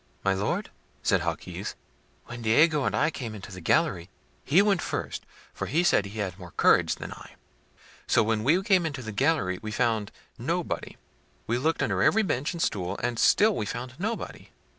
"My Lord," said Jaquez, "when Diego and I came into the gallery, he went first, for he said he had more courage than I. So when we came into the gallery we found nobody. We looked under every bench and stool; and still we found nobody."